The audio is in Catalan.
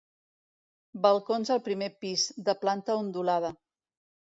Balcons al primer pis, de planta ondulada.